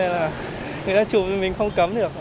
cho nên là người ta chụp mình không cấm được